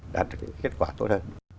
đạt được những kết quả tốt hơn